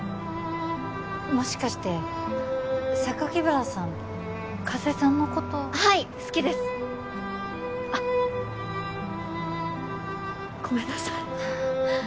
もしかして榊原さん加瀬さんのことはい好きですあっごめんなさい